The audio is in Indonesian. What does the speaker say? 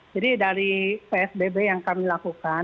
jadi dari psbb yang kami lakukan